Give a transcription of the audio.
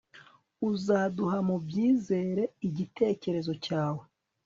Uzaduha mubyizere igitekerezo cyawe